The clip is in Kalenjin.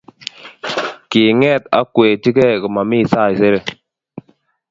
Kinget akwechikei komomi saisere